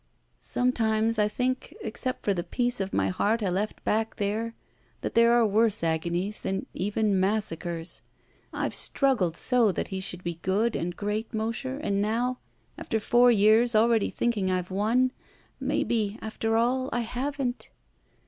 "Sometimes I think, except for the pieoe of my heart I left lying back there, that there are worse agonies than even massacres. I've struggled so that he should be good and great, Mosher, and now, after four years already thinking I've won — maybe, after all, I haven't."